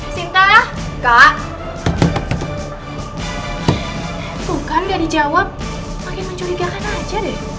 sinta kak bukan jadi jawab makin mencurigakan aja deh